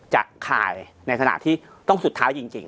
จะค่ายในธนาปตริศต้องสุดท้ายจริง